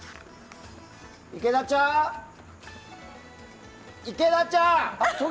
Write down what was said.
池田ちゃん、池田ちゃん！